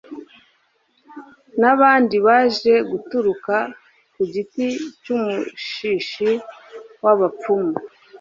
n'abandi baje baturuka ku giti cy'umushishi w'abapfumu